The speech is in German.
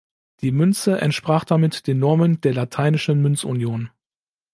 Die Münze entsprach damit den Normen der lateinischen Münzunion.